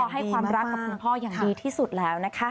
ให้ความรักกับคุณพ่ออย่างดีที่สุดแล้วนะคะ